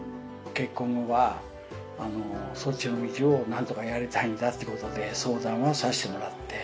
結婚後はそっちの道をなんとかやりたいんだということで相談をさせてもらって。